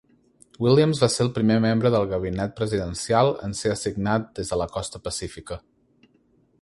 Williams va ser el primer membre del gabinet presidencial en ser assignat des de la Costa Pacífica.